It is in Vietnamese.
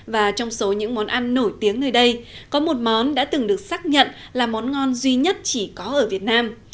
và trong số những món ăn nổi tiếng nơi đây có một món đã từng được xác nhận là món ngon duy nhất chỉ có ở việt nam